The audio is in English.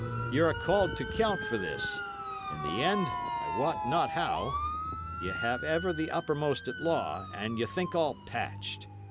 Y' are called to count for this; in the end, I wot not how, ye have ever the uppermost at law, and ye think all patched.